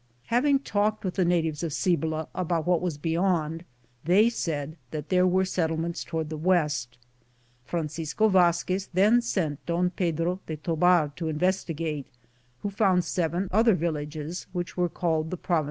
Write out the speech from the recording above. Having talked with the natives of Cibola about what was beyond, they said that there were settlements toward the west. Fran cisco Vazquez then sent Don Pedro de Tobar to investigate, who found seven other vil lages, which were called the province of Tuzan ; this is 35 leagues to the west.